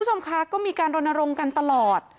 คุณผู้ชมคะก็มีการรณรงค์กันตลอด